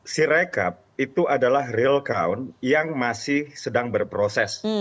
sirekap itu adalah real count yang masih sedang berproses